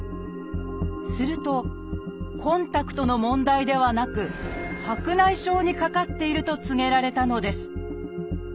するとコンタクトの問題ではなく白内障にかかっていると告げられたのです。